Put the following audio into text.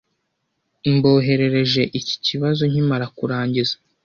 Mboherereje iki kibazo nkimara kurangiza.